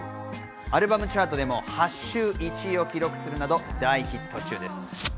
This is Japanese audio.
アルバムチャートでも８週連続１位を記録するなど大ヒット中です。